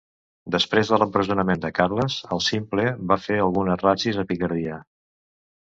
Després de l'empresonament de Carles el Simple va fer algunes ràtzies a Picardia.